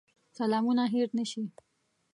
سلامونه هېر نه شي.